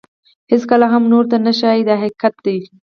هیڅکله یې هم نورو ته نه ښایي دا حقیقت دی.